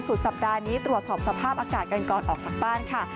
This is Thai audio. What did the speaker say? สุดสัปดาห์นี้ตรวจสอบสภาพอากาศกันก่อนออกจากบ้านค่ะ